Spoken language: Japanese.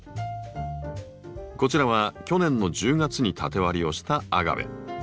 こちらは去年の１０月に縦割りをしたアガベ。